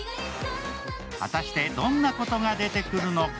果たして、どんなことが出てくるのか。